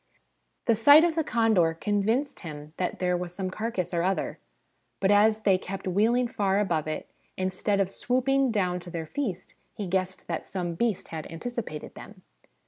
The sight of the condors convinced him that there was some carcass or other ; but as they kept wheeling far above it, instead of swooping down to their feast, he guessed that some beast had anticipated them.